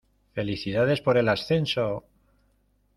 ¡Felicidades por el ascenso!